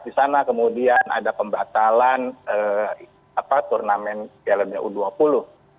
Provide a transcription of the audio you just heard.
di sana kemudian ada pembatalan turnamen piala dunia u dua puluh